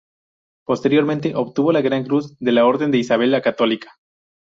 Posteriormente obtuvo la gran cruz de la Orden de Isabel la Católica.